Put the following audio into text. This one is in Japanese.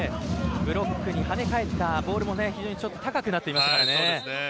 ブロックに跳ね返ったボールも非常に高くなっていましたからね。